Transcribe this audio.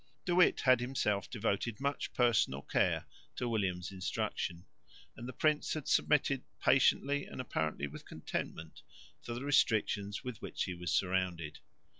De Witt had himself devoted much personal care to William's instruction; and the prince had submitted patiently and apparently with contentment to the restrictions with which he was surrounded.